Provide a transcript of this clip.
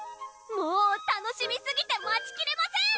もう楽しみすぎて待ちきれません！